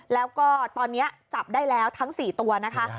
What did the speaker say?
แล้วก็ตอนนี้จับได้แล้วทั้ง๔ตัวนะคะ